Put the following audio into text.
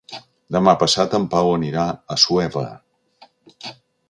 Demà passat en Pau anirà a Assuévar.